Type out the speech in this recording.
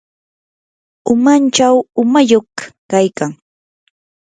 umanchaw uwayuq kaykan.